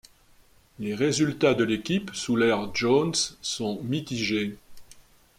Les résultats de l'équipe sous l'ère Jones sont mitigés.